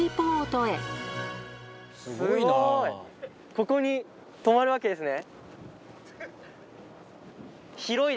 ここに止まるわけですね。